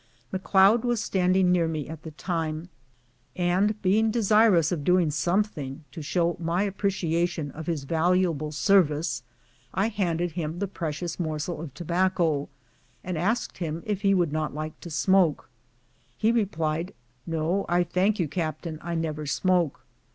McLeod was standing near me at the time, and, be ing desirous of doing something to show my appreciation of his valuable service, I handed him the precious morsel of tobacco, and asked him if he would not like to smoke. He replied, " No, I thank you, captain, I never smoke."